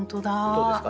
どうですか？